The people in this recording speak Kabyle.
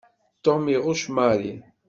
Tom iɣucc Mary.